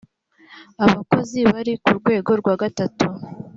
abakozi bari ku rwego rwa gatatu